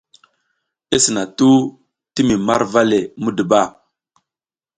I sina tuh ti mi marva le muduba.